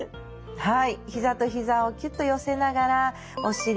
はい。